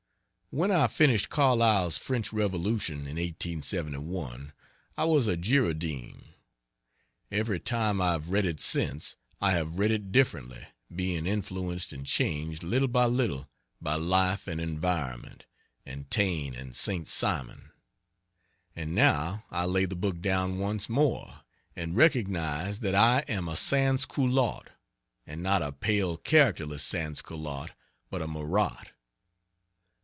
When I finished Carlyle's French Revolution in 1871, I was a Girondin; every time I have read it since, I have read it differently being influenced and changed, little by little, by life and environment (and Taine and St. Simon): and now I lay the book down once more, and recognize that I am a Sansculotte! And not a pale, characterless Sansculotte, but a Marat.